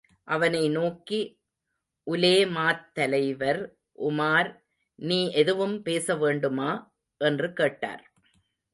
அவனை நோக்கி உலேமாத்தலைவர், உமார் நீ எதுவும் பேசவேண்டுமா? என்று கேட்டார்.